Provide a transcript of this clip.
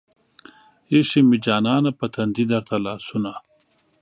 ايښې مې جانانه پۀ تندي درته لاسونه